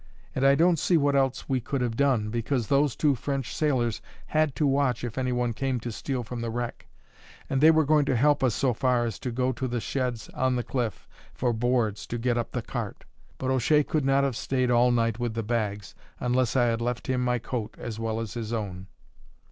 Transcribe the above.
And I don't see what else we could have done, because those two French sailors had to watch if anyone came to steal from the wreck, and they were going to help us so far as to go to the sheds on the cliff for boards to get up the cart; but O'Shea could not have stayed all night with the bags unless I had left him my coat as well as his own."